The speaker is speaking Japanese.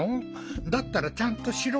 だったらちゃんとしろ！